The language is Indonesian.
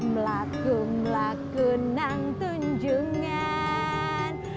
melaku melaku nang tunjukan